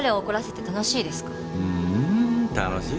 うん楽しいねぇ。